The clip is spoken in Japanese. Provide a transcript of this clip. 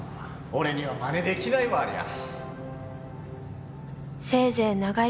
俺にはまねできないわありゃ。